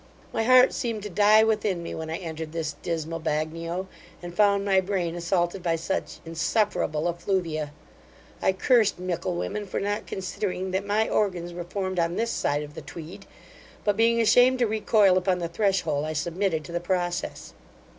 My heart seemed to die within me when I entered this dismal bagnio, and found my brain assaulted by such insufferable effluvia. I cursed Micklewhimmen for not considering that my organs were formed on this side of the Tweed; but being ashamed to recoil upon the threshold, I submitted to the process.